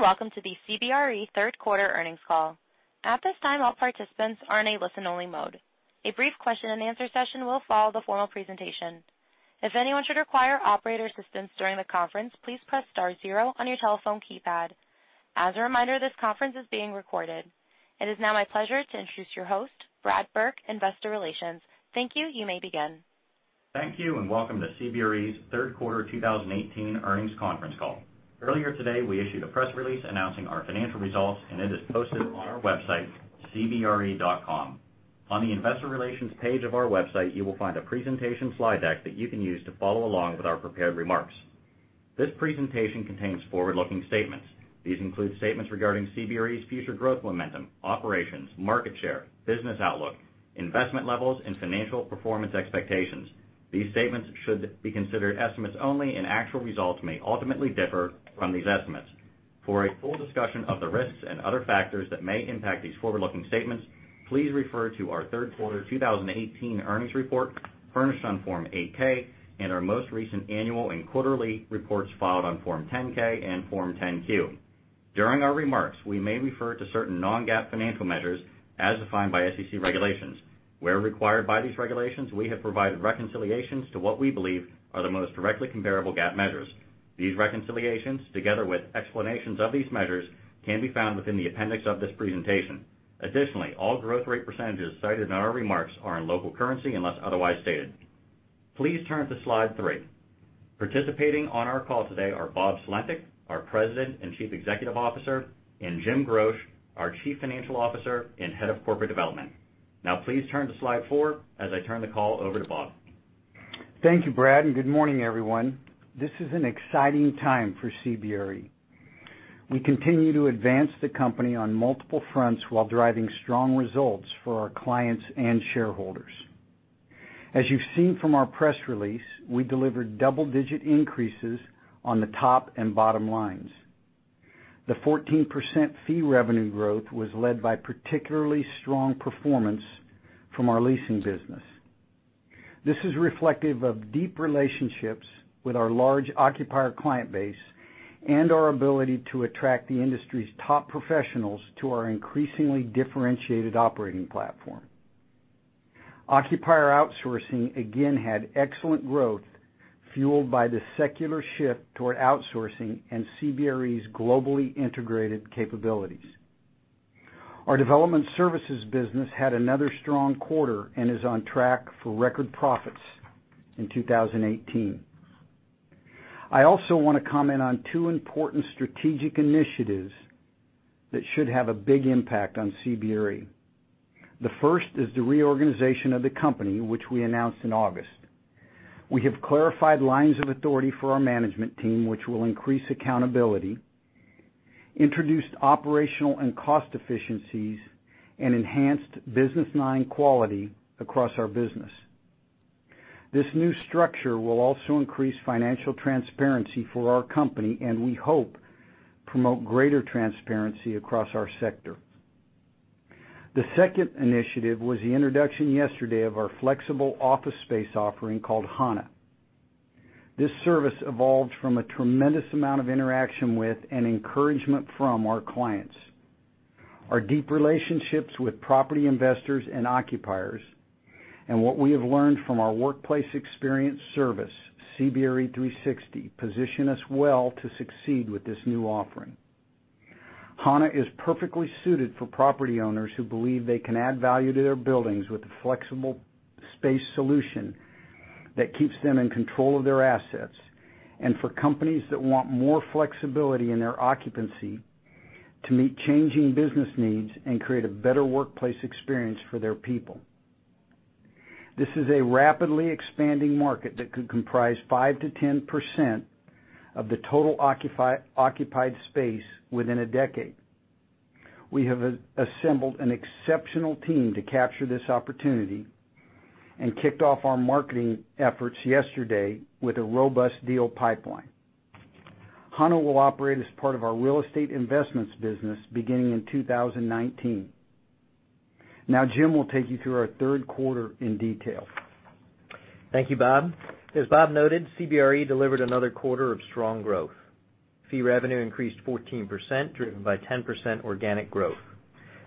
Welcome to the CBRE third quarter earnings call. At this time, all participants are in a listen-only mode. A brief question and answer session will follow the formal presentation. If anyone should require operator assistance during the conference, please press star zero on your telephone keypad. As a reminder, this conference is being recorded. It is now my pleasure to introduce your host, Brad Burke, Investor Relations. Thank you. You may begin. Thank you. Welcome to CBRE's third quarter 2018 earnings conference call. Earlier today, we issued a press release announcing our financial results, and it is posted on our website, cbre.com. On the investor relations page of our website, you will find a presentation slide deck that you can use to follow along with our prepared remarks. This presentation contains forward-looking statements. These include statements regarding CBRE's future growth momentum, operations, market share, business outlook, investment levels, and financial performance expectations. These statements should be considered estimates only, and actual results may ultimately differ from these estimates. For a full discussion of the risks and other factors that may impact these forward-looking statements, please refer to our third quarter 2018 earnings report furnished on Form 8-K and our most recent annual and quarterly reports filed on Form 10-K and Form 10-Q. During our remarks, we may refer to certain non-GAAP financial measures as defined by SEC regulations. Where required by these regulations, we have provided reconciliations to what we believe are the most directly comparable GAAP measures. These reconciliations, together with explanations of these measures, can be found within the appendix of this presentation. Additionally, all growth rate % cited in our remarks are in local currency unless otherwise stated. Please turn to slide three. Participating on our call today are Bob Sulentic, our President and Chief Executive Officer, and Jim Groch, our Chief Financial Officer and Head of Corporate Development. Please turn to slide four as I turn the call over to Bob. Thank you, Brad. Good morning, everyone. This is an exciting time for CBRE. We continue to advance the company on multiple fronts while driving strong results for our clients and shareholders. As you've seen from our press release, we delivered double-digit increases on the top and bottom lines. The 14% fee revenue growth was led by particularly strong performance from our leasing business. This is reflective of deep relationships with our large occupier client base and our ability to attract the industry's top professionals to our increasingly differentiated operating platform. Occupier outsourcing again had excellent growth fueled by the secular shift toward outsourcing and CBRE's globally integrated capabilities. Our development services business had another strong quarter and is on track for record profits in 2018. I also want to comment on two important strategic initiatives that should have a big impact on CBRE. The first is the reorganization of the company, which we announced in August. We have clarified lines of authority for our management team, which will increase accountability, introduce operational and cost efficiencies, and enhance business line quality across our business. This new structure will also increase financial transparency for our company and we hope, promote greater transparency across our sector. The second initiative was the introduction yesterday of our flexible office space offering called Hana. This service evolved from a tremendous amount of interaction with and encouragement from our clients. Our deep relationships with property investors and occupiers and what we have learned from our workplace experience service, CBRE 360, position us well to succeed with this new offering. Hana is perfectly suited for property owners who believe they can add value to their buildings with a flexible space solution that keeps them in control of their assets, and for companies that want more flexibility in their occupancy to meet changing business needs and create a better workplace experience for their people. This is a rapidly expanding market that could comprise 5%-10% of the total occupied space within a decade. We have assembled an exceptional team to capture this opportunity and kicked off our marketing efforts yesterday with a robust deal pipeline. Hana will operate as part of our real estate investments business beginning in 2019. Jim will take you through our third quarter in detail. Thank you, Bob. As Bob noted, CBRE delivered another quarter of strong growth. Fee revenue increased 14%, driven by 10% organic growth.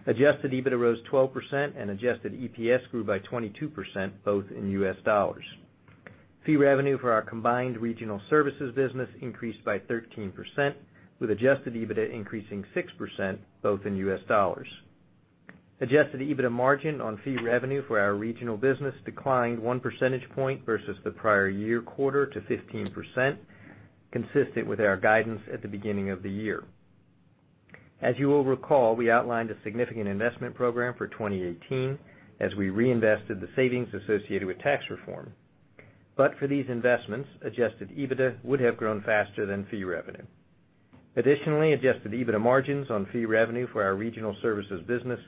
Adjusted EBITDA rose 12%, and adjusted EPS grew by 22%, both in U.S. dollars. Fee revenue for our combined regional services business increased by 13%, with adjusted EBITDA increasing 6%, both in U.S. dollars. Adjusted EBITDA margin on fee revenue for our regional business declined one percentage point versus the prior year quarter to 15%, consistent with our guidance at the beginning of the year. As you will recall, we outlined a significant investment program for 2018 as we reinvested the savings associated with tax reform. For these investments, adjusted EBITDA would have grown faster than fee revenue. Additionally, adjusted EBITDA margins on fee revenue for our regional services business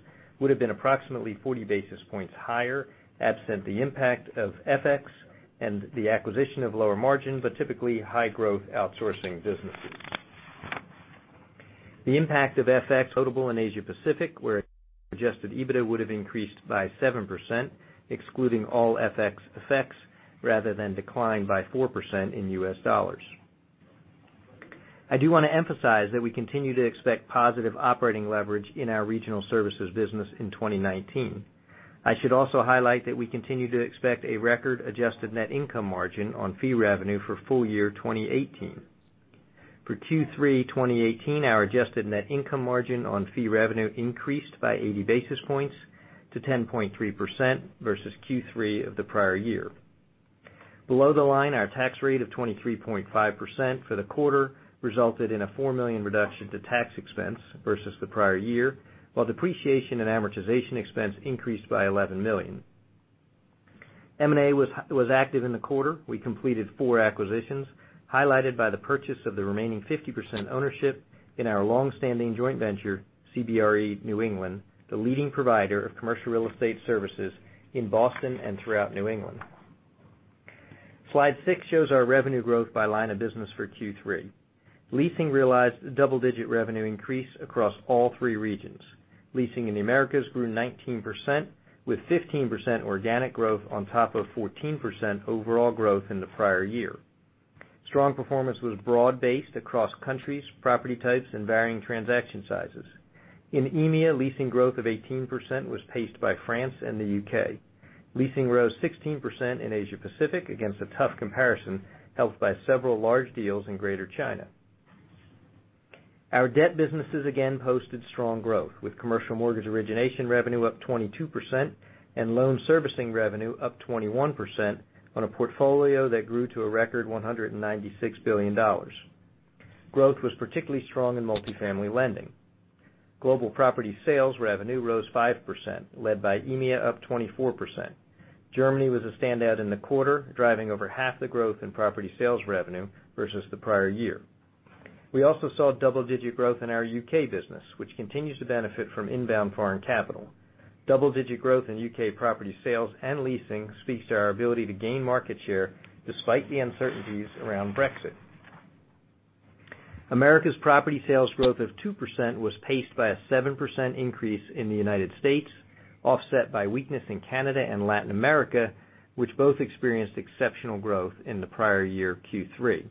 would have been approximately 40 basis points higher, absent the impact of FX and the acquisition of lower margin, but typically high-growth outsourcing businesses. The impact of FX notable in Asia Pacific, where- Adjusted EBITDA would have increased by 7%, excluding all FX effects, rather than decline by 4% in US dollars. I do want to emphasize that we continue to expect positive operating leverage in our regional services business in 2019. I should also highlight that we continue to expect a record-adjusted net income margin on fee revenue for full year 2018. For Q3 2018, our adjusted net income margin on fee revenue increased by 80 basis points to 10.3% versus Q3 of the prior year. Below the line, our tax rate of 23.5% for the quarter resulted in a $4 million reduction to tax expense versus the prior year, while depreciation and amortization expense increased by $11 million. M&A was active in the quarter. We completed four acquisitions, highlighted by the purchase of the remaining 50% ownership in our long-standing joint venture, CBRE New England, the leading provider of commercial real estate services in Boston and throughout New England. Slide six shows our revenue growth by line of business for Q3. Leasing realized double-digit revenue increase across all three regions. Leasing in the Americas grew 19%, with 15% organic growth on top of 14% overall growth in the prior year. Strong performance was broad-based across countries, property types, and varying transaction sizes. In EMEA, leasing growth of 18% was paced by France and the U.K. Leasing rose 16% in Asia-Pacific against a tough comparison, helped by several large deals in Greater China. Our debt businesses again posted strong growth, with commercial mortgage origination revenue up 22% and loan servicing revenue up 21% on a portfolio that grew to a record $196 billion. Growth was particularly strong in multi-family lending. Global property sales revenue rose 5%, led by EMEA, up 24%. Germany was a standout in the quarter, driving over half the growth in property sales revenue versus the prior year. We also saw double-digit growth in our U.K. business, which continues to benefit from inbound foreign capital. Double-digit growth in U.K. property sales and leasing speaks to our ability to gain market share despite the uncertainties around Brexit. Americas property sales growth of 2% was paced by a 7% increase in the United States, offset by weakness in Canada and Latin America, which both experienced exceptional growth in the prior year Q3.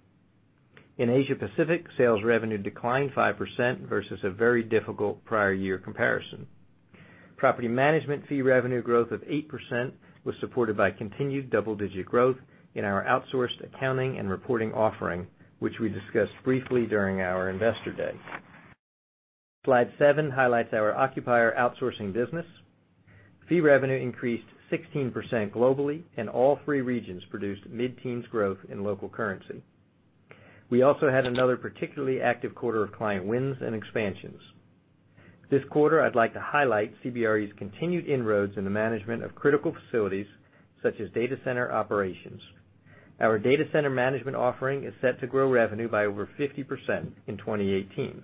In Asia-Pacific, sales revenue declined 5% versus a very difficult prior year comparison. Property management fee revenue growth of 8% was supported by continued double-digit growth in our outsourced accounting and reporting offering, which we discussed briefly during our investor day. Slide seven highlights our occupier outsourcing business. Fee revenue increased 16% globally, and all three regions produced mid-teens growth in local currency. We also had another particularly active quarter of client wins and expansions. This quarter, I'd like to highlight CBRE's continued inroads in the management of critical facilities, such as data center operations. Our data center management offering is set to grow revenue by over 50% in 2018.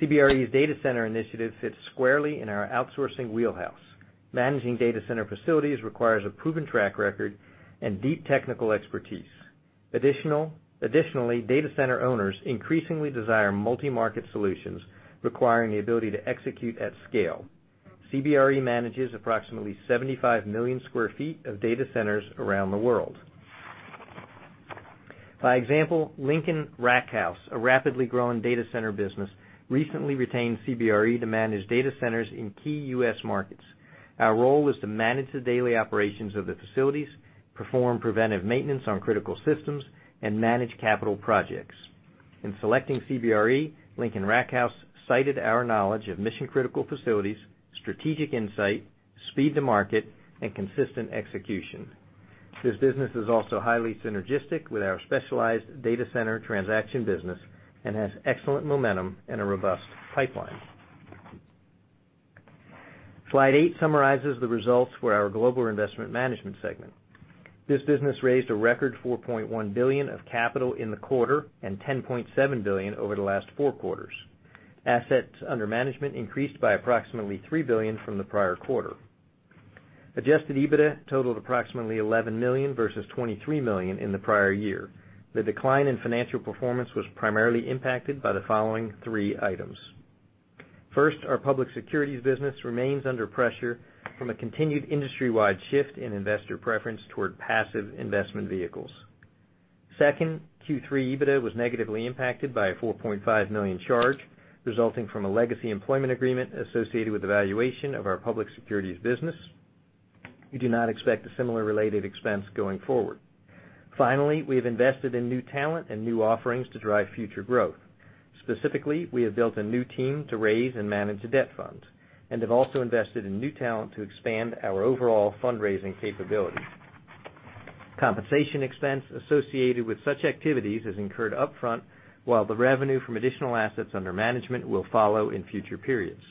CBRE's data center initiative fits squarely in our outsourcing wheelhouse. Managing data center facilities requires a proven track record and deep technical expertise. Additionally, data center owners increasingly desire multi-market solutions requiring the ability to execute at scale. CBRE manages approximately 75 million sq ft of data centers around the world. By example, Lincoln Rackhouse, a rapidly growing data center business, recently retained CBRE to manage data centers in key U.S. markets. Our role was to manage the daily operations of the facilities, perform preventive maintenance on critical systems, and manage capital projects. In selecting CBRE, Lincoln Rackhouse cited our knowledge of mission-critical facilities, strategic insight, speed to market, and consistent execution. This business is also highly synergistic with our specialized data center transaction business and has excellent momentum and a robust pipeline. Slide eight summarizes the results for our global investment management segment. This business raised a record $4.1 billion of capital in the quarter and $10.7 billion over the last four quarters. Assets under management increased by approximately $3 billion from the prior quarter. Adjusted EBITDA totaled approximately $11 million versus $23 million in the prior year. The decline in financial performance was primarily impacted by the following three items. First, our public securities business remains under pressure from a continued industry-wide shift in investor preference toward passive investment vehicles. Second, Q3 EBITDA was negatively impacted by a $4.5 million charge resulting from a legacy employment agreement associated with the valuation of our public securities business. We do not expect a similar related expense going forward. Finally, we have invested in new talent and new offerings to drive future growth. Specifically, we have built a new team to raise and manage the debt funds and have also invested in new talent to expand our overall fundraising capability. Compensation expense associated with such activities is incurred up front, while the revenue from additional assets under management will follow in future periods.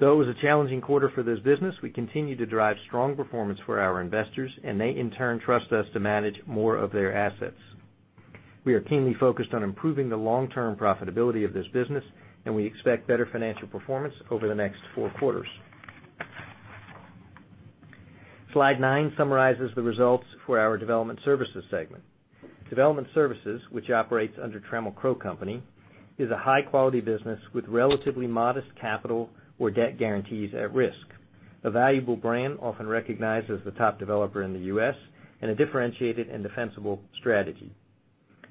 Though it was a challenging quarter for this business, we continue to drive strong performance for our investors, and they, in turn, trust us to manage more of their assets. We are keenly focused on improving the long-term profitability of this business, and we expect better financial performance over the next four quarters. Slide nine summarizes the results for our development services segment. Development services, which operates under Trammell Crow Company, is a high-quality business with relatively modest capital or debt guarantees at risk. A valuable brand, often recognized as the top developer in the U.S., and a differentiated and defensible strategy.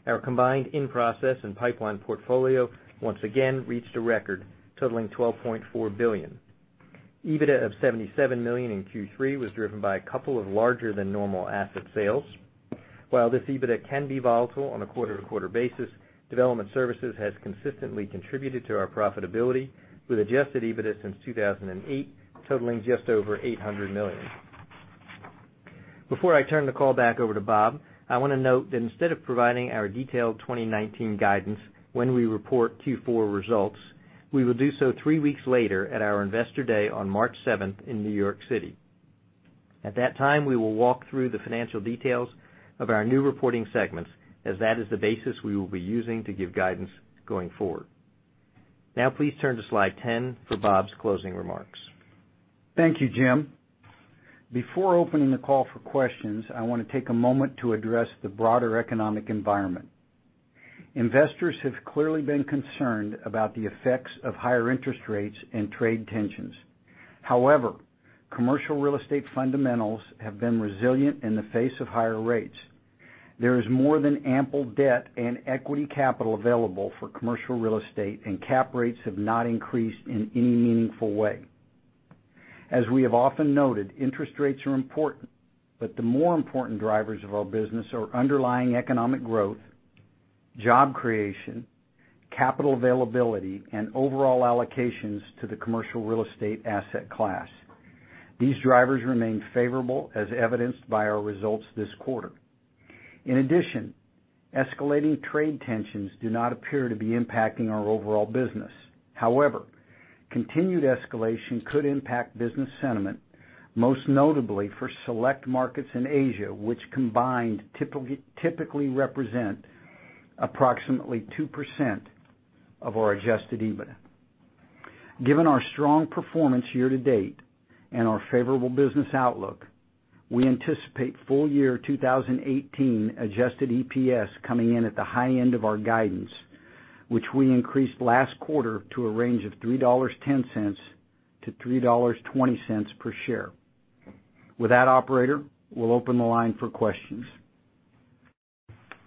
Our combined in-process and pipeline portfolio once again reached a record totaling $12.4 billion. EBITDA of $77 million in Q3 was driven by a couple of larger than normal asset sales. While this EBITDA can be volatile on a quarter-to-quarter basis, development services has consistently contributed to our profitability with adjusted EBITDA since 2008, totaling just over $800 million. Before I turn the call back over to Bob, I want to note that instead of providing our detailed 2019 guidance when we report Q4 results, we will do so three weeks later at our Investor Day on March 7th in New York City. At that time, we will walk through the financial details of our new reporting segments as that is the basis we will be using to give guidance going forward. Now please turn to slide 10 for Bob's closing remarks. Thank you, Jim. Before opening the call for questions, I want to take a moment to address the broader economic environment. Investors have clearly been concerned about the effects of higher interest rates and trade tensions. However, commercial real estate fundamentals have been resilient in the face of higher rates. There is more than ample debt and equity capital available for commercial real estate, and cap rates have not increased in any meaningful way. As we have often noted, interest rates are important, but the more important drivers of our business are underlying economic growth, job creation, capital availability, and overall allocations to the commercial real estate asset class. These drivers remain favorable as evidenced by our results this quarter. In addition, escalating trade tensions do not appear to be impacting our overall business. However, continued escalation could impact business sentiment, most notably for select markets in Asia, which combined typically represent approximately 2% of our adjusted EBITDA. Given our strong performance year-to-date and our favorable business outlook, we anticipate full year 2018 adjusted EPS coming in at the high end of our guidance, which we increased last quarter to a range of $3.10-$3.20 per share. With that operator, we'll open the line for questions.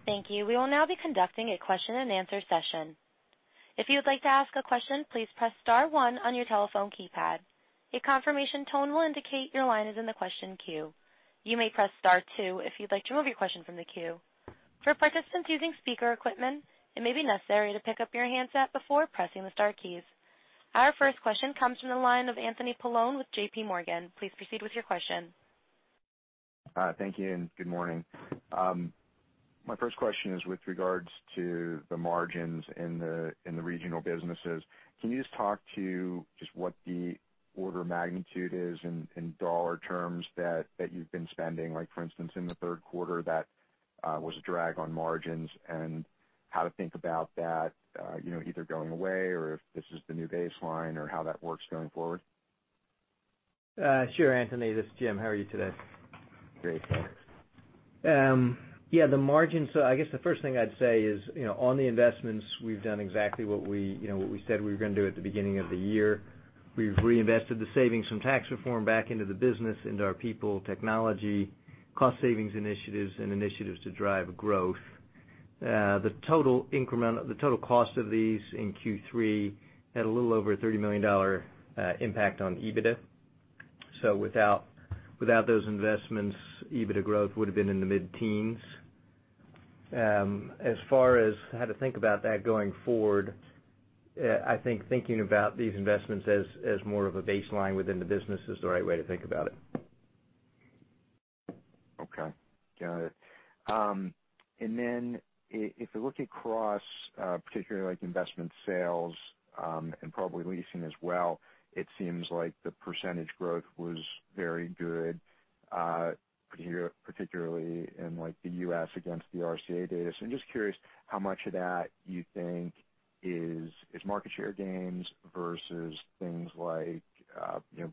Thank you. We will now be conducting a question and answer session. If you'd like to ask a question, please press *1 on your telephone keypad. A confirmation tone will indicate your line is in the question queue. You may press *2 if you'd like to remove your question from the queue. For participants using speaker equipment, it may be necessary to pick up your handset before pressing the star keys. Our first question comes from the line of Anthony Paolone with JPMorgan. Please proceed with your question. Thank you, and good morning. My first question is with regards to the margins in the regional businesses. Can you just talk to just what the order of magnitude is in dollar terms that you've been spending, like for instance, in the third quarter that was a drag on margins, and how to think about that either going away or if this is the new baseline or how that works going forward? Sure, Anthony. This is Jim. How are you today? Great, thanks. Yeah, the margins. I guess the first thing I'd say is, on the investments, we've done exactly what we said we were going to do at the beginning of the year. We've reinvested the savings from tax reform back into the business, into our people, technology, cost savings initiatives, and initiatives to drive growth. The total cost of these in Q3 had a little over a $30 million impact on EBITDA. Without those investments, EBITDA growth would've been in the mid-teens. As far as how to think about that going forward, I think thinking about these investments as more of a baseline within the business is the right way to think about it. Okay. Got it. If you look across, particularly like investment sales, and probably leasing as well, it seems like the percentage growth was very good, particularly in the U.S. against the RCA data. I'm just curious how much of that you think is market share gains versus things like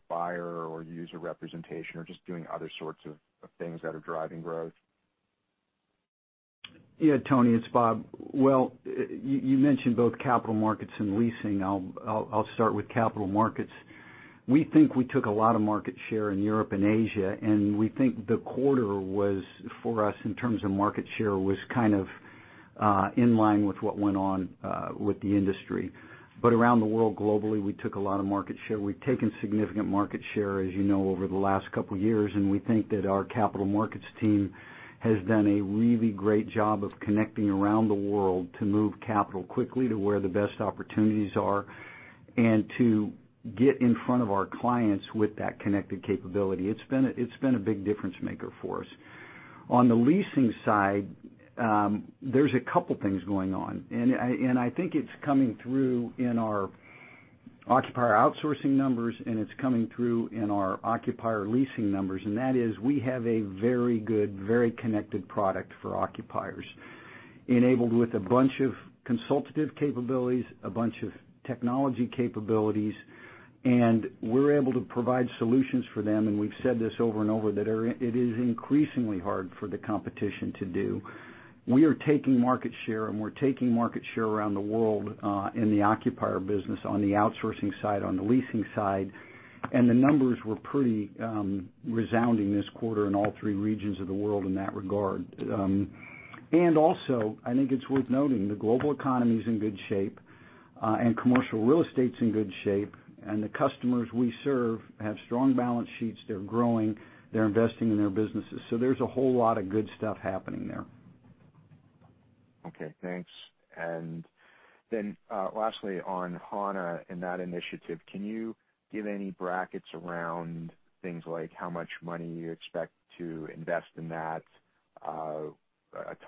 buyer or user representation or just doing other sorts of things that are driving growth. Yeah, Tony, it's Bob. You mentioned both capital markets and leasing. I'll start with capital markets. We think we took a lot of market share in Europe and Asia, and we think the quarter was for us, in terms of market share, was kind of in line with what went on with the industry. Around the world globally, we took a lot of market share. We've taken significant market share, as you know, over the last couple of years, and we think that our capital markets team has done a really great job of connecting around the world to move capital quickly to where the best opportunities are and to get in front of our clients with that connected capability. It's been a big difference maker for us. On the leasing side, there's a couple of things going on, and I think it's coming through in our occupier outsourcing numbers, and it's coming through in our occupier leasing numbers, and that is we have a very good, very connected product for occupiers. Enabled with a bunch of consultative capabilities, a bunch of technology capabilities, and we're able to provide solutions for them, and we've said this over and over that it is increasingly hard for the competition to do. We are taking market share, and we're taking market share around the world, in the occupier business, on the outsourcing side, on the leasing side. The numbers were pretty resounding this quarter in all three regions of the world in that regard. Also, I think it's worth noting, the global economy's in good shape, and commercial real estate's in good shape. The customers we serve have strong balance sheets. They're growing. They're investing in their businesses. There's a whole lot of good stuff happening there. Okay, thanks. Lastly, on Hana and that initiative, can you give any brackets around things like how much money you expect to invest in that, a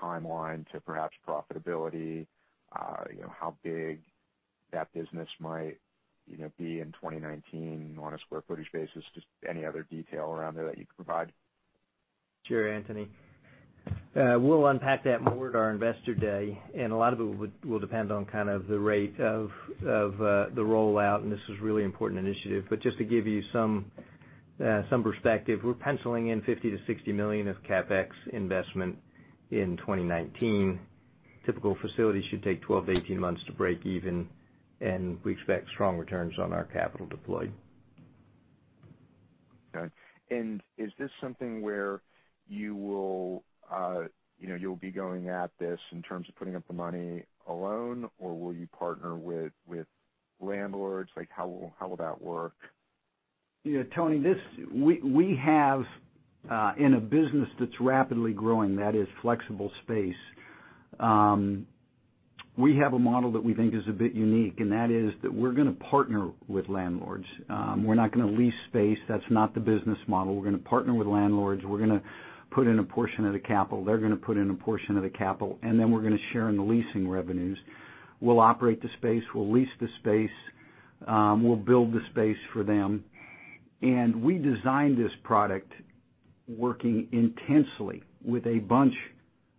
timeline to perhaps profitability, how big that business might be in 2019 on a square footage basis? Just any other detail around there that you could provide. Sure, Anthony. We'll unpack that more at our investor day. A lot of it will depend on kind of the rate of the rollout. This is a really important initiative. Just to give you some perspective, we're penciling in $50 million-$60 million of CapEx investment in 2019. Typical facilities should take 12-18 months to break even, and we expect strong returns on our capital deployed. Okay. Is this something where you'll be going at this in terms of putting up the money alone, or will you partner with landlords? How will that work? Yeah, Tony, we have, in a business that's rapidly growing, that is flexible space. We have a model that we think is a bit unique, that is that we're going to partner with landlords. We're not going to lease space. That's not the business model. We're going to partner with landlords. We're going to put in a portion of the capital. They're going to put in a portion of the capital. Then we're going to share in the leasing revenues. We'll operate the space, we'll lease the space. We'll build the space for them. We designed this product working intensely with a bunch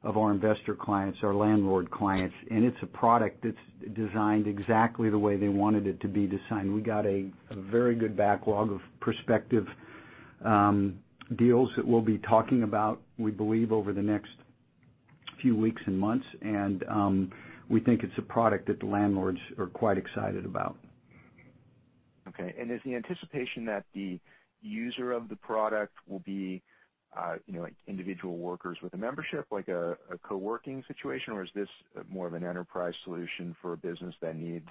of our investor clients, our landlord clients, and it's a product that's designed exactly the way they wanted it to be designed. We got a very good backlog of prospective deals that we'll be talking about, we believe, over the next few weeks and months. We think it's a product that the landlords are quite excited about. Okay. Is the anticipation that the user of the product will be individual workers with a membership, like a co-working situation? Or is this more of an enterprise solution for a business that needs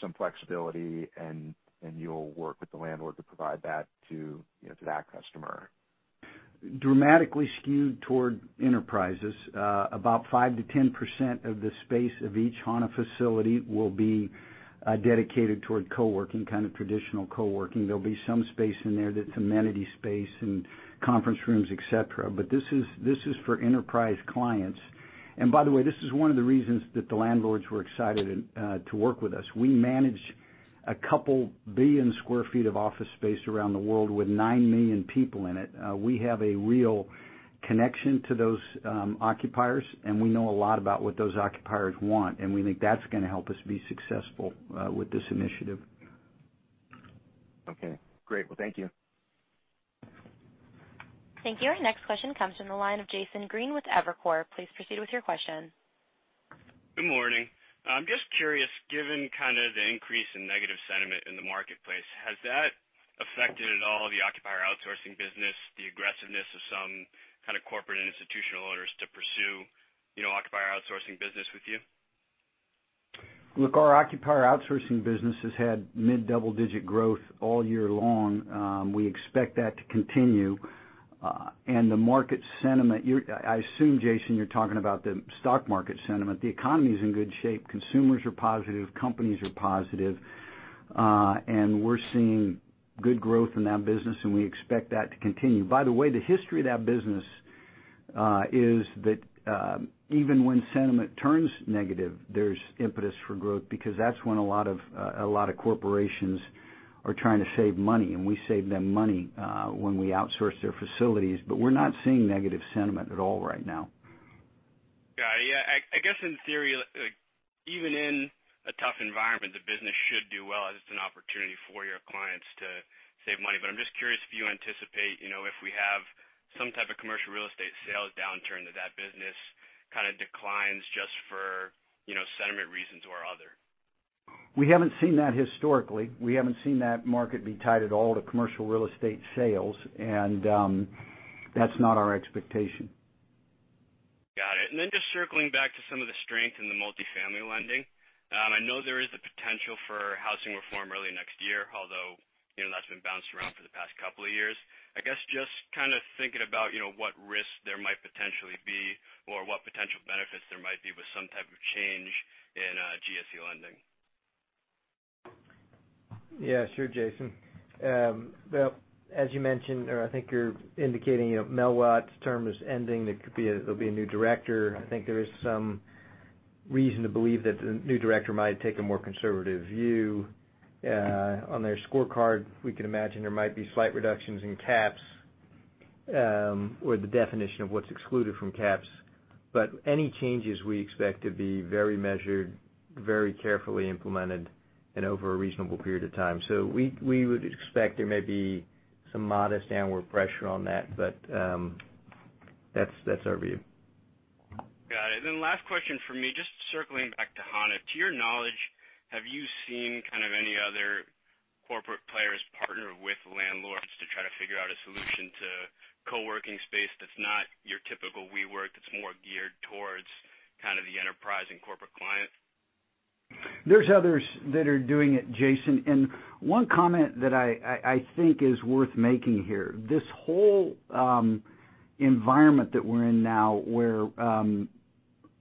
some flexibility, and you'll work with the landlord to provide that to that customer? Dramatically skewed toward enterprises. About 5%-10% of the space of each Hana facility will be dedicated toward co-working, kind of traditional co-working. There'll be some space in there that's amenity space and conference rooms, et cetera. This is for enterprise clients. By the way, this is one of the reasons that the landlords were excited to work with us. We manage a couple billion sq ft of office space around the world with nine million people in it. We have a real connection to those occupiers, and we know a lot about what those occupiers want, and we think that's going to help us be successful with this initiative. Okay, great. Thank you. Thank you. Our next question comes from the line of Jason Green with Evercore. Please proceed with your question. Good morning. I'm just curious, given kind of the increase in negative sentiment in the marketplace, has that affected at all the occupier outsourcing business, the aggressiveness of some kind of corporate and institutional owners to pursue occupier outsourcing business with you? Look, our occupier outsourcing business has had mid-double digit growth all year long. We expect that to continue. The market sentiment, I assume, Jason, you're talking about the stock market sentiment. The economy's in good shape. Consumers are positive, companies are positive. We're seeing good growth in that business, and we expect that to continue. By the way, the history of that business, is that even when sentiment turns negative, there's impetus for growth because that's when a lot of corporations are trying to save money, and we save them money when we outsource their facilities. We're not seeing negative sentiment at all right now. Got it. Yeah. I guess in theory, even in a tough environment, the business should do well as it's an opportunity for your clients to save money. I'm just curious if you anticipate if we have some type of commercial real estate sales downturn that that business kind of declines just for sentiment reasons or other. We haven't seen that historically. We haven't seen that market be tied at all to commercial real estate sales, and that's not our expectation. Got it. Just circling back to some of the strength in the multi-family lending. I know there is the potential for housing reform early next year, although that's been bounced around for the past couple of years. I guess just kind of thinking about what risks there might potentially be or what potential benefits there might be with some type of change in GSE lending. Yeah, sure, Jason. Well, as you mentioned, or I think you're indicating, Mel Watt's term is ending. There'll be a new director. I think there is some reason to believe that the new director might take a more conservative view. On their scorecard, we can imagine there might be slight reductions in caps or the definition of what's excluded from caps. Any changes we expect to be very measured, very carefully implemented, and over a reasonable period of time. We would expect there may be some modest downward pressure on that, but that's our view. Got it. Last question from me, just circling back to Hana. To your knowledge, have you seen kind of any other corporate players partner with landlords to try to figure out a solution to co-working space that's not your typical WeWork, that's more geared towards kind of the enterprise and corporate client? There's others that are doing it, Jason, and one comment that I think is worth making here. This whole environment that we're in now, where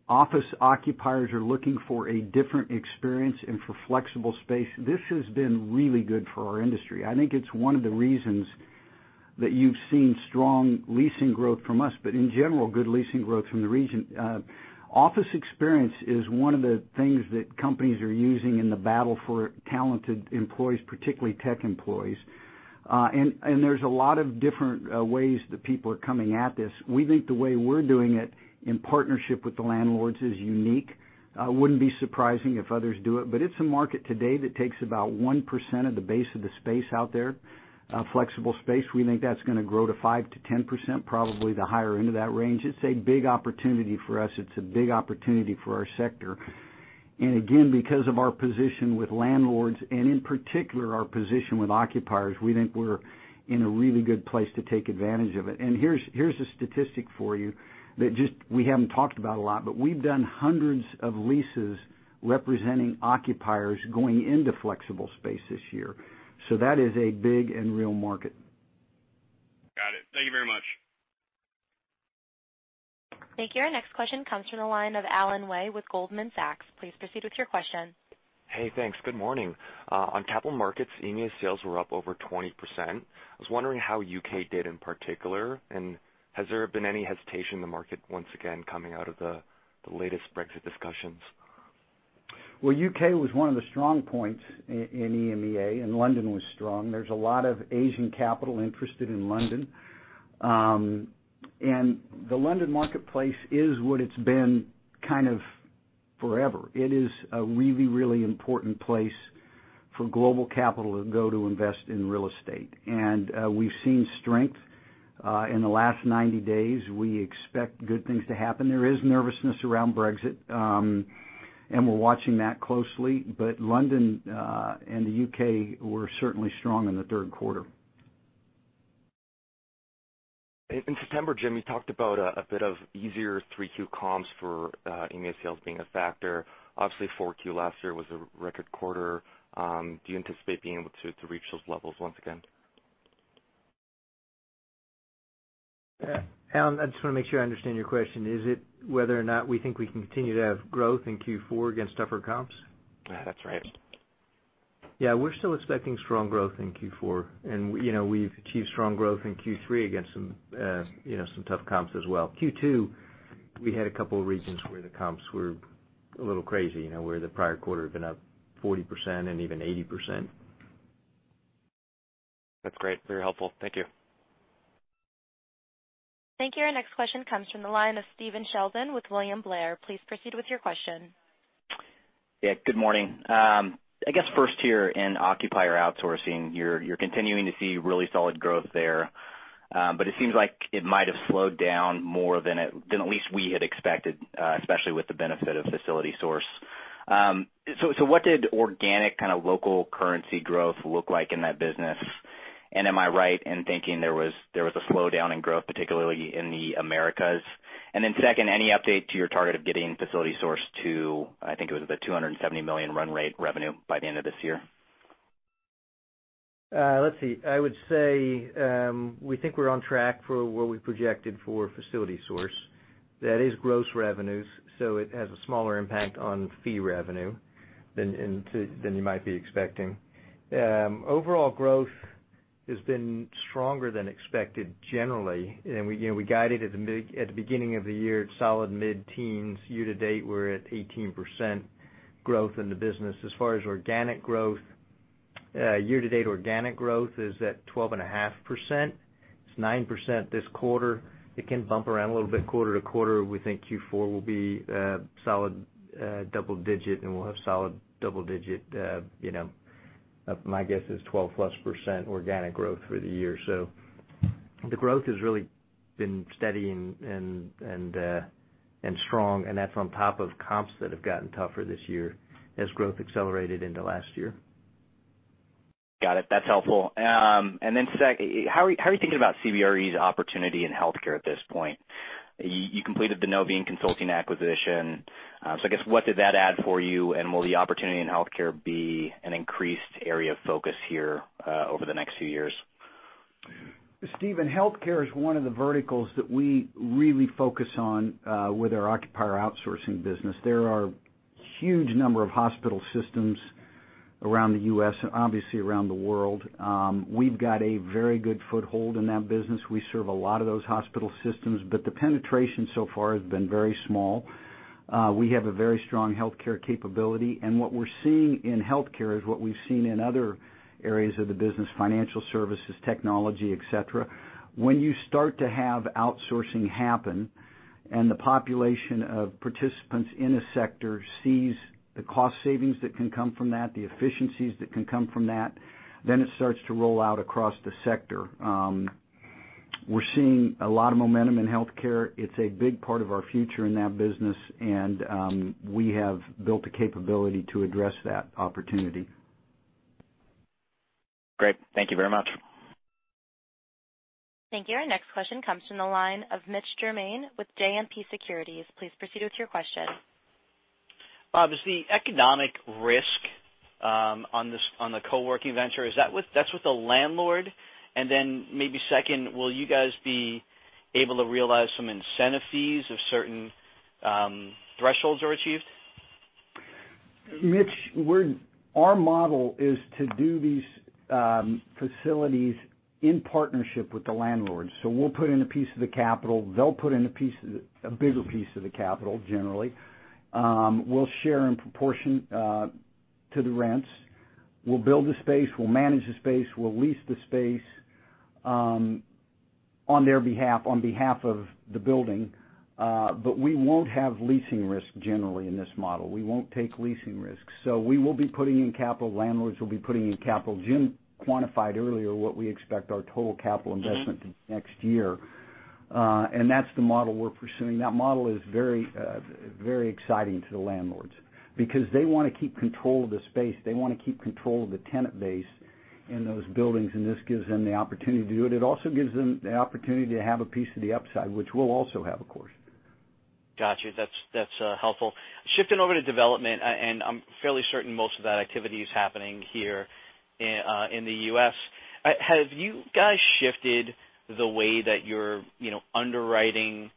office occupiers are looking for a different experience and for flexible space, this has been really good for our industry. I think it's one of the reasons that you've seen strong leasing growth from us, but in general, good leasing growth from the region. Office experience is one of the things that companies are using in the battle for talented employees, particularly tech employees. There's a lot of different ways that people are coming at this. We think the way we're doing it in partnership with the landlords is unique. Wouldn't be surprising if others do it, but it's a market today that takes about 1% of the base of the space out there. Flexible space, we think that's going to grow to 5%-10%, probably the higher end of that range. It's a big opportunity for us. It's a big opportunity for our sector. Again, because of our position with landlords and in particular, our position with occupiers, we think we're in a really good place to take advantage of it. Here's a statistic for you that we haven't talked about a lot, but we've done hundreds of leases representing occupiers going into flexible space this year. That is a big and real market. Got it. Thank you very much. Thank you. Our next question comes from the line of Alvin Wei with Goldman Sachs. Please proceed with your question. Hey, thanks. Good morning. On capital markets, EMEA sales were up over 20%. I was wondering how U.K. did in particular, has there been any hesitation in the market once again, coming out of the latest Brexit discussions? Well, the U.K. was one of the strong points in EMEA, and London was strong. There's a lot of Asian capital interested in London. The London marketplace is what it's been kind of forever. It is a really, really important place for global capital to go to invest in real estate. We've seen strength in the last 90 days. We expect good things to happen. There is nervousness around Brexit, and we're watching that closely. London and the U.K. were certainly strong in the third quarter. In September, Jim, you talked about a bit of easier Q3 comps for EMEA sales being a factor. Obviously, Q4 last year was a record quarter. Do you anticipate being able to reach those levels once again? Alvin, I just want to make sure I understand your question. Is it whether or not we think we can continue to have growth in Q4 against tougher comps? That's right. We're still expecting strong growth in Q4, and we've achieved strong growth in Q3 against some tough comps as well. Q2, we had a couple of regions where the comps were a little crazy, where the prior quarter had been up 40% and even 80%. That's great. Very helpful. Thank you. Thank you. Our next question comes from the line of Stephen Sheldon with William Blair. Please proceed with your question. Good morning. I guess first here in occupier outsourcing, you're continuing to see really solid growth there. It seems like it might have slowed down more than at least we had expected, especially with the benefit of FacilitySource. What did organic kind of local currency growth look like in that business? Am I right in thinking there was a slowdown in growth, particularly in the Americas? Second, any update to your target of getting FacilitySource to, I think it was the $270 million run rate revenue by the end of this year? Let's see. I would say, we think we're on track for what we projected for FacilitySource. That is gross revenues, so it has a smaller impact on fee revenue than you might be expecting. Overall growth has been stronger than expected generally. We guided at the beginning of the year, solid mid-teens. Year-to-date, we're at 18% growth in the business. As far as organic growth, year-to-date organic growth is at 12.5%. It's 9% this quarter. It can bump around a little bit quarter-to-quarter. We think Q4 will be solid double digit, and we'll have solid double digit, my guess is 12+% organic growth for the year. The growth has really been steady and strong, and that's on top of comps that have gotten tougher this year as growth accelerated into last year. Got it. That's helpful. Then second, how are you thinking about CBRE's opportunity in healthcare at this point? You completed the Noveen Consulting acquisition. I guess, what did that add for you, and will the opportunity in healthcare be an increased area of focus here over the next few years? Stephen, healthcare is one of the verticals that we really focus on with our occupier outsourcing business. There are huge number of hospital systems around the U.S. and obviously around the world. We've got a very good foothold in that business. We serve a lot of those hospital systems, but the penetration so far has been very small. We have a very strong healthcare capability, and what we're seeing in healthcare is what we've seen in other areas of the business, financial services, technology, et cetera. When you start to have outsourcing happen and the population of participants in a sector sees the cost savings that can come from that, the efficiencies that can come from that, it starts to roll out across the sector. We're seeing a lot of momentum in healthcare. It's a big part of our future in that business. We have built the capability to address that opportunity. Great. Thank you very much. Thank you. Our next question comes from the line of Mitch Germain with JMP Securities. Please proceed with your question. Bob, is the economic risk on the co-working venture, is that with the landlord? Then maybe second, will you guys be able to realize some incentive fees if certain thresholds are achieved? Mitch, our model is to do these facilities in partnership with the landlords. We'll put in a piece of the capital. They'll put in a bigger piece of the capital, generally. We'll share in proportion to the rents. We'll build the space, we'll manage the space, we'll lease the space on their behalf, on behalf of the building. We won't have leasing risk generally in this model. We won't take leasing risk. We will be putting in capital. Landlords will be putting in capital. Jim quantified earlier what we expect our total capital investment to be next year. That's the model we're pursuing. That model is very exciting to the landlords because they want to keep control of the space. They want to keep control of the tenant base in those buildings, and this gives them the opportunity to do it. It also gives them the opportunity to have a piece of the upside, which we'll also have, of course. Got you. That's helpful. Shifting over to development, I'm fairly certain most of that activity is happening here in the U.S. Have you guys shifted the way that you're underwriting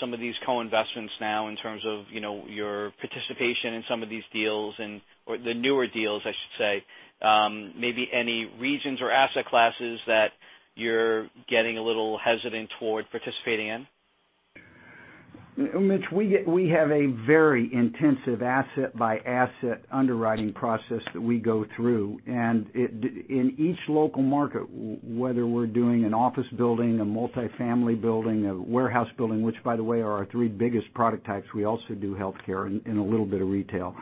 some of these co-investments now in terms of your participation in some of these deals, or the newer deals, I should say? Maybe any regions or asset classes that you're getting a little hesitant toward participating in? Mitch, we have a very intensive asset-by-asset underwriting process that we go through. In each local market, whether we're doing an office building, a multi-family building, a warehouse building, which by the way, are our 3 biggest product types, we also do healthcare and a little bit of retail.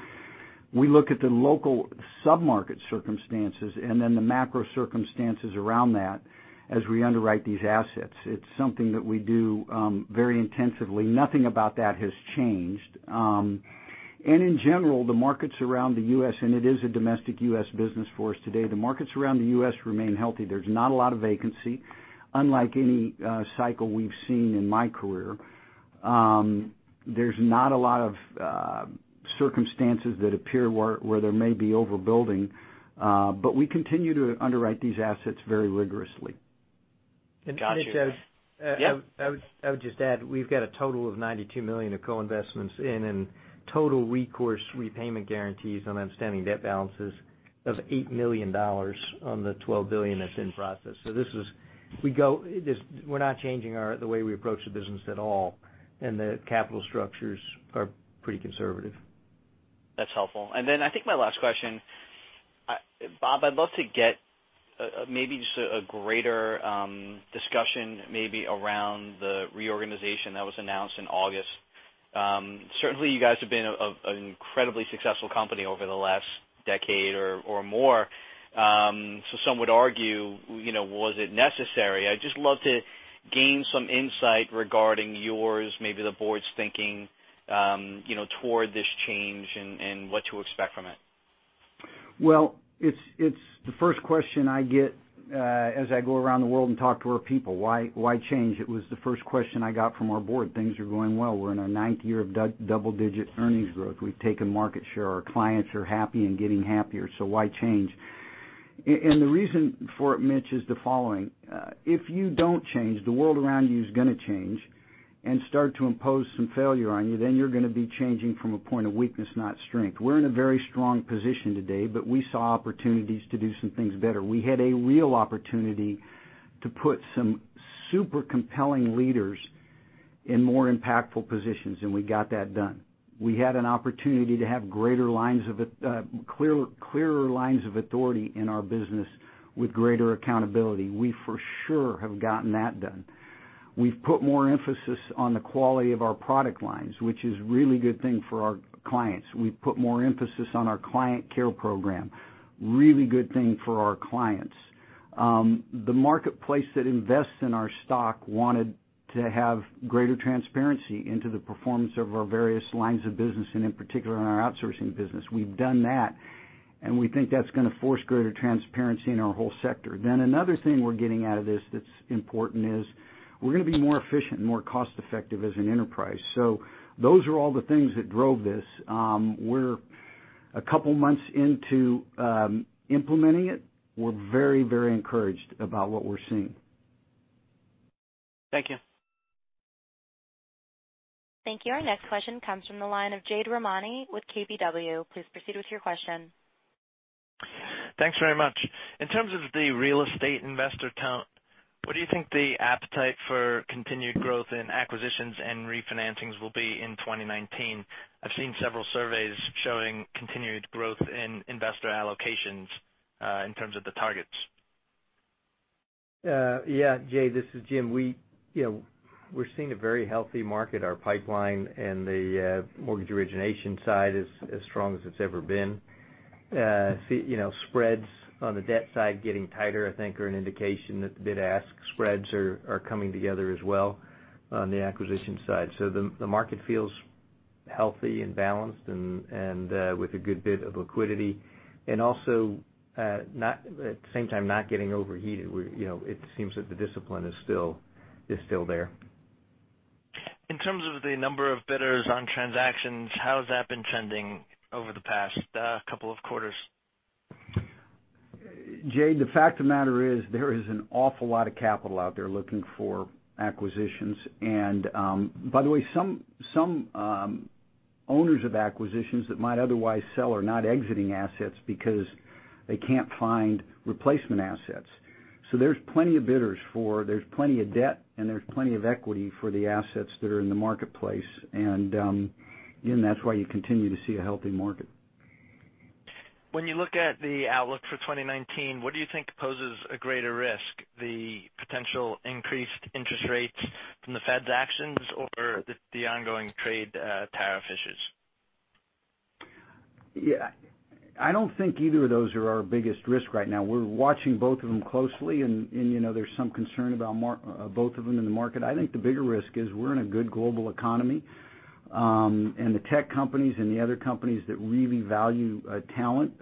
We look at the local sub-market circumstances and then the macro circumstances around that as we underwrite these assets. It's something that we do very intensively. Nothing about that has changed. In general, the markets around the U.S., and it is a domestic U.S. business for us today, the markets around the U.S. remain healthy. There's not a lot of vacancy, unlike any cycle we've seen in my career. There's not a lot of circumstances that appear where there may be overbuilding. We continue to underwrite these assets very rigorously. Got you. Mitch, I would just add, we've got a total of $92 million of co-investments in and total recourse repayment guarantees on outstanding debt balances of $8 million on the $12 billion that's in process. We're not changing the way we approach the business at all, and the capital structures are pretty conservative. That's helpful. Then I think my last question, Bob, I'd love to get maybe just a greater discussion maybe around the reorganization that was announced in August. Certainly, you guys have been an incredibly successful company over the last decade or more. Some would argue, was it necessary? I'd just love to gain some insight regarding yours, maybe the board's thinking toward this change and what to expect from it. Well, it's the first question I get as I go around the world and talk to our people. Why change? It was the first question I got from our board. Things are going well. We're in our ninth year of double-digit earnings growth. We've taken market share. Our clients are happy and getting happier, so why change? The reason for it, Mitch, is the following. If you don't change, the world around you is going to change and start to impose some failure on you, then you're going to be changing from a point of weakness, not strength. We're in a very strong position today, but we saw opportunities to do some things better. We had a real opportunity to put some super compelling leaders in more impactful positions, and we got that done. We had an opportunity to have clearer lines of authority in our business with greater accountability. We, for sure, have gotten that done. We've put more emphasis on the quality of our product lines, which is a really good thing for our clients. We've put more emphasis on our client care program. Really good thing for our clients. The marketplace that invests in our stock wanted to have greater transparency into the performance of our various lines of business, and in particular in our outsourcing business. We've done that, and we think that's going to force greater transparency in our whole sector. Another thing we're getting out of this that's important is we're going to be more efficient and more cost-effective as an enterprise. Those are all the things that drove this. We're a couple of months into implementing it. We're very encouraged about what we're seeing. Thank you. Thank you. Our next question comes from the line of Jade Rahmani with KBW. Please proceed with your question. Thanks very much. In terms of the real estate investor count, what do you think the appetite for continued growth in acquisitions and refinancings will be in 2019? I've seen several surveys showing continued growth in investor allocations, in terms of the targets. Yeah. Jade, this is Jim. We're seeing a very healthy market. Our pipeline and the mortgage origination side is as strong as it's ever been. Spreads on the debt side getting tighter, I think are an indication that the bid-ask spreads are coming together as well on the acquisition side. The market feels healthy and balanced and with a good bit of liquidity. Also, at the same time not getting overheated where it seems that the discipline is still there. In terms of the number of bidders on transactions, how has that been trending over the past couple of quarters? Jade, the fact of the matter is there is an awful lot of capital out there looking for acquisitions. By the way, some owners of acquisitions that might otherwise sell are not exiting assets because they can't find replacement assets. There's plenty of bidders for, there's plenty of debt, and there's plenty of equity for the assets that are in the marketplace. Jim, that's why you continue to see a healthy market. When you look at the outlook for 2019, what do you think poses a greater risk, the potential increased interest rates from the Fed's actions or the ongoing trade tariff issues? Yeah. I don't think either of those are our biggest risk right now. We're watching both of them closely, and there's some concern about both of them in the market. I think the bigger risk is we're in a good global economy. The tech companies and the other companies that really value talent,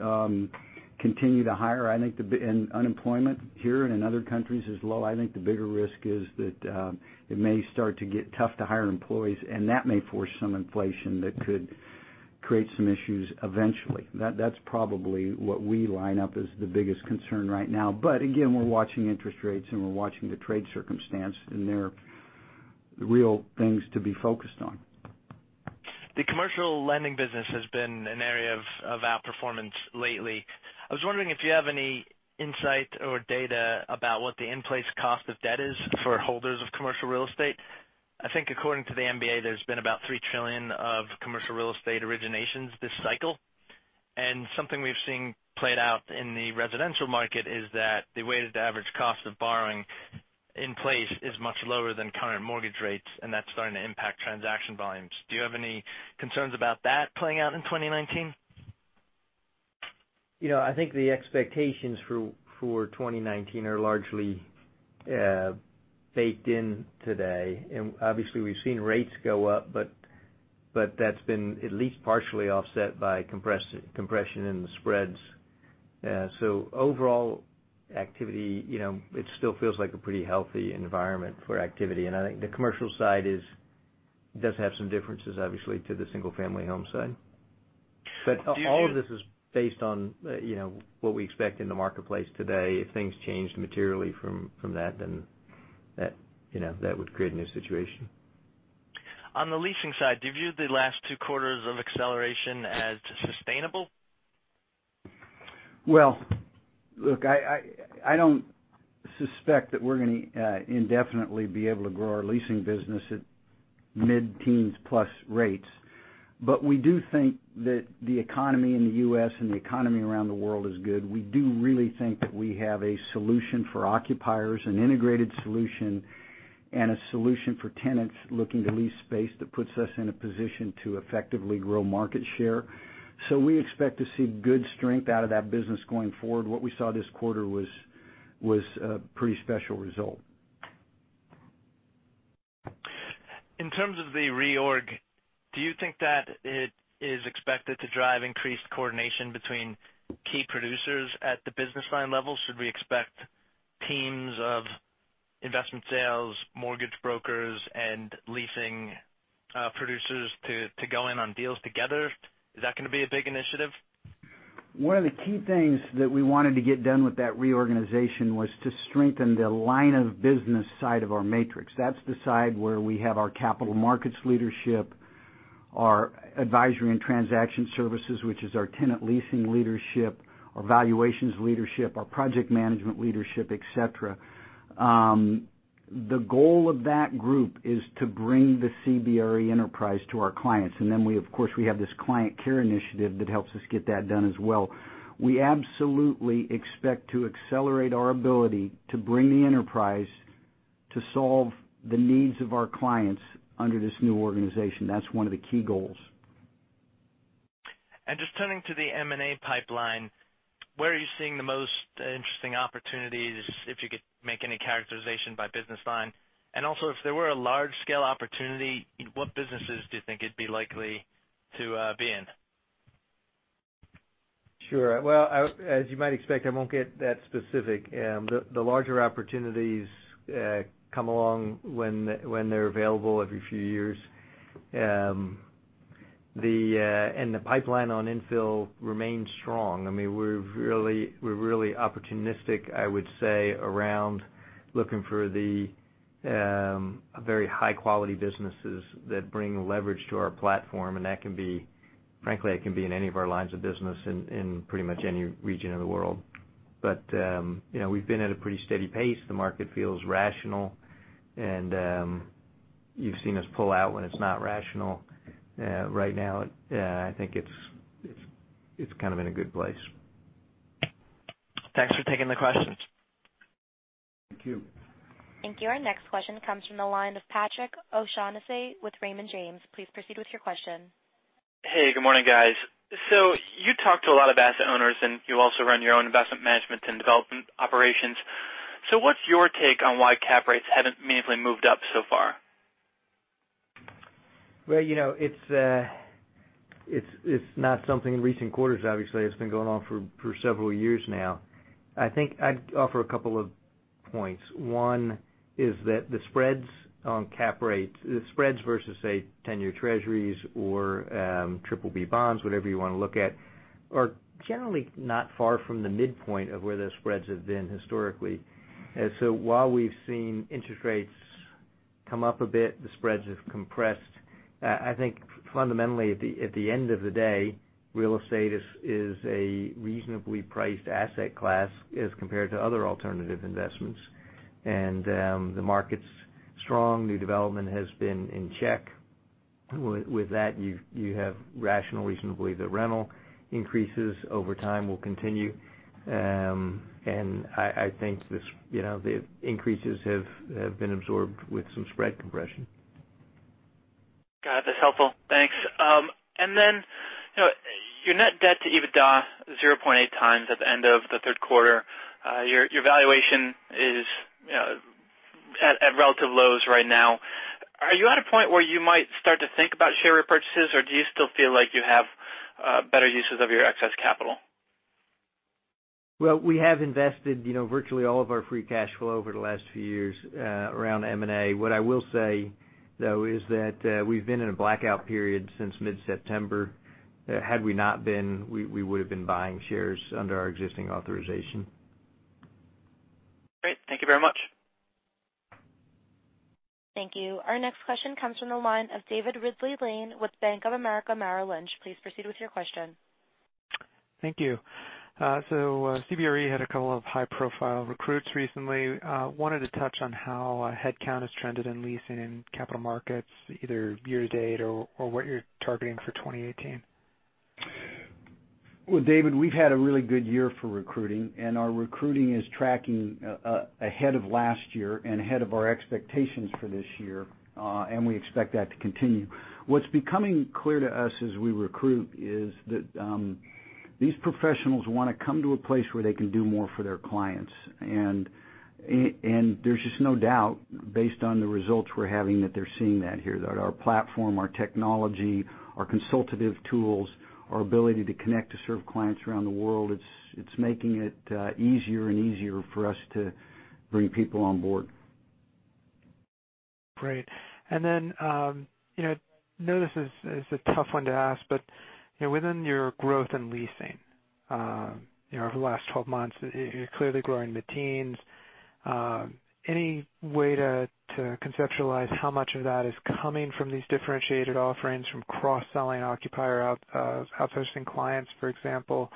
continue to hire. Unemployment here and in other countries is low. I think the bigger risk is that it may start to get tough to hire employees, and that may force some inflation that could create some issues eventually. That's probably what we line up as the biggest concern right now. Again, we're watching interest rates, and we're watching the trade circumstance, and they're real things to be focused on. The commercial lending business has been an area of outperformance lately. I was wondering if you have any insight or data about what the in-place cost of debt is for holders of commercial real estate. I think according to the MBA, there's been about $3 trillion of commercial real estate originations this cycle. Something we've seen played out in the residential market is that the weighted average cost of borrowing in place is much lower than current mortgage rates, and that's starting to impact transaction volumes. Do you have any concerns about that playing out in 2019? I think the expectations for 2019 are largely baked in today. Obviously, we've seen rates go up, but that's been at least partially offset by compression in the spreads. Overall activity, it still feels like a pretty healthy environment for activity. I think the commercial side does have some differences, obviously, to the single-family home side. All of this is based on what we expect in the marketplace today. If things changed materially from that would create a new situation. On the leasing side, do you view the last two quarters of acceleration as sustainable? Well, look, I don't suspect that we're going to indefinitely be able to grow our leasing business at mid-teens plus rates. We do think that the economy in the U.S. and the economy around the world is good. We do really think that we have a solution for occupiers, an integrated solution, and a solution for tenants looking to lease space that puts us in a position to effectively grow market share. We expect to see good strength out of that business going forward. What we saw this quarter was a pretty special result. In terms of the reorg, do you think that it is expected to drive increased coordination between key producers at the business line level? Should we expect teams of investment sales, mortgage brokers, and leasing producers to go in on deals together? Is that going to be a big initiative? One of the key things that we wanted to get done with that reorganization was to strengthen the line of business side of our matrix. That's the side where we have our capital markets leadership, our advisory and transaction services, which is our tenant leasing leadership, our valuations leadership, our project management leadership, et cetera. The goal of that group is to bring the CBRE enterprise to our clients. Then, of course, we have this client care initiative that helps us get that done as well. We absolutely expect to accelerate our ability to bring the enterprise to solve the needs of our clients under this new organization. That's one of the key goals. Just turning to the M&A pipeline, where are you seeing the most interesting opportunities, if you could make any characterization by business line? Also, if there were a large-scale opportunity, what businesses do you think it'd be likely to be in? Sure. Well, as you might expect, I won't get that specific. The larger opportunities come along when they're available every few years. The pipeline on infill remains strong. We're really opportunistic, I would say, around looking for the very high-quality businesses that bring leverage to our platform, and frankly, it can be in any of our lines of business in pretty much any region of the world. We've been at a pretty steady pace. The market feels rational, and you've seen us pull out when it's not rational. Right now, I think it's kind of in a good place. Thanks for taking the questions. Thank you. Thank you. Our next question comes from the line of Patrick O'Shaughnessy with Raymond James. Please proceed with your question. Hey, good morning, guys. You talk to a lot of asset owners, and you also run your own investment management and development operations. What's your take on why cap rates haven't meaningfully moved up so far? Well, it's not something in recent quarters, obviously. It's been going on for several years now. I think I'd offer a couple of points. One is that the spreads on cap rates, the spreads versus, say, 10-year treasuries or triple B bonds, whatever you want to look at, are generally not far from the midpoint of where those spreads have been historically. While we've seen interest rates come up a bit, the spreads have compressed. I think fundamentally at the end of the day, real estate is a reasonably priced asset class as compared to other alternative investments, and the market's strong. New development has been in check. With that, you have rational, reasonably, the rental increases over time will continue. I think the increases have been absorbed with some spread compression. Got it. That's helpful. Thanks. Your net debt to EBITDA, 0.8 times at the end of the third quarter. Your valuation is at relative lows right now. Are you at a point where you might start to think about share repurchases, or do you still feel like you have better uses of your excess capital? Well, we have invested virtually all of our free cash flow over the last few years around M&A. What I will say, though, is that we've been in a blackout period since mid-September. Had we not been, we would've been buying shares under our existing authorization. Great. Thank you very much. Thank you. Our next question comes from the line of David Ridley-Lane with Bank of America Merrill Lynch. Please proceed with your question. Thank you. CBRE had a couple of high-profile recruits recently. Wanted to touch on how headcount has trended in leasing in capital markets, either year-to-date or what you're targeting for 2018. Well, David, we've had a really good year for recruiting, and our recruiting is tracking ahead of last year and ahead of our expectations for this year, and we expect that to continue. What's becoming clear to us as we recruit is that these professionals want to come to a place where they can do more for their clients. There's just no doubt, based on the results we're having, that they're seeing that here, that our platform, our technology, our consultative tools, our ability to connect to serve clients around the world, it's making it easier and easier for us to bring people on board. Great. I know this is a tough one to ask, but within your growth in leasing over the last 12 months, you're clearly growing the teens. Any way to conceptualize how much of that is coming from these differentiated offerings from cross-selling occupier outsourcing clients, for example?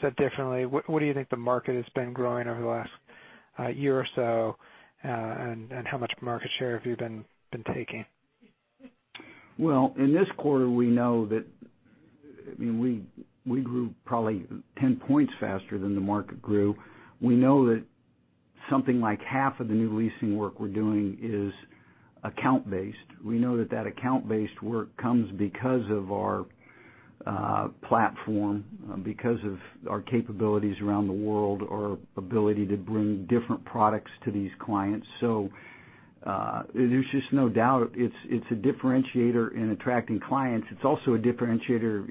Said differently, what do you think the market has been growing over the last year or so, and how much market share have you been taking? Well, in this quarter, we know that we grew probably 10 points faster than the market grew. We know that something like half of the new leasing work we're doing is account-based. We know that that account-based work comes because of our platform, because of our capabilities around the world, our ability to bring different products to these clients. There's just no doubt it's a differentiator in attracting clients. It's also a differentiator,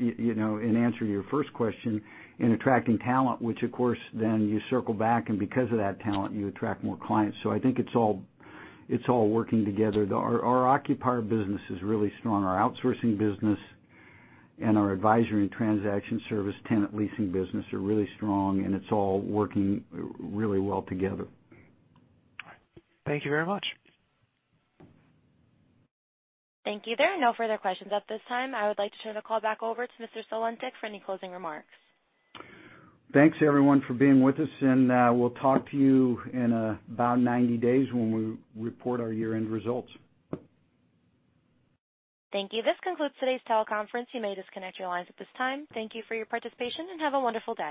in answer to your first question, in attracting talent, which of course then you circle back, and because of that talent, you attract more clients. I think it's all working together. Our occupier business is really strong. Our outsourcing business and our advisory and transaction service tenant leasing business are really strong, and it's all working really well together. All right. Thank you very much. Thank you. There are no further questions at this time. I would like to turn the call back over to Mr. Sulentic for any closing remarks. Thanks everyone for being with us. We'll talk to you in about 90 days when we report our year-end results. Thank you. This concludes today's teleconference. You may disconnect your lines at this time. Thank you for your participation, and have a wonderful day.